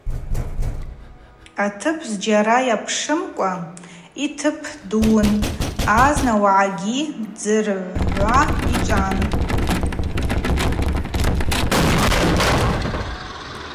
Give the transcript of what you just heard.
Атып зджьара йапшымкӏва йтыпдууын, азна уагӏагьи дзыргӏвуа йчӏван.